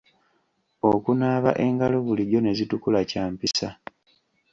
Okunaaba engalo bulijjo ne zitukula kya mpisa.